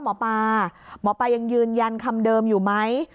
หมอปลาหมอปลายังยืนยันคำเดิมอยู่ไหม